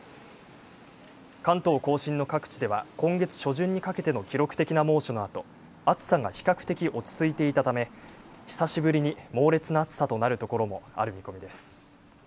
関東甲信の各地では今月初旬にかけての記録的な猛暑のあと暑さが比較的落ち着いていたため久しぶりに猛烈な暑さとなるところもある見込みです。